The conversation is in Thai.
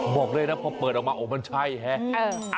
บอกเลยนะพอเปิดออกมาโอ้มันใช่ฮะ